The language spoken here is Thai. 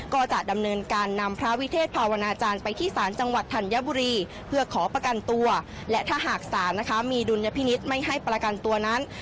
ก็จะดำเนินการนำพระวิเทศภาวนาจารย์ไปที่ศาลจังหวัดธัญบุรีเพื่อขอประกันตัว